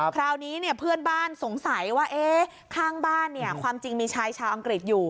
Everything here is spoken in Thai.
คราวนี้เนี่ยเพื่อนบ้านสงสัยว่าข้างบ้านเนี่ยความจริงมีชายชาวอังกฤษอยู่